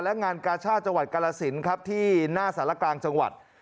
และงานกาชาติจังหวัดกาลสินครับที่หน้าสารกลางจังหวัด